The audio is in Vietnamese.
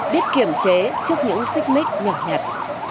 biết kiểm chế trước những xích mít nhỏ nhặt